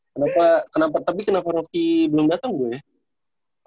kenapa kenapa tapi kenapa rocky belum dateng gua ya